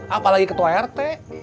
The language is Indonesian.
apalagi ketua rt